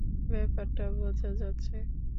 ব্যাপারটা বোঝা যাচ্ছে।